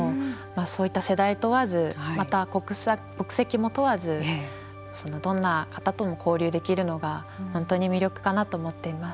そういった世代問わずまた国籍も問わずどんな方とも交流できるのが本当に魅力かなと思っています。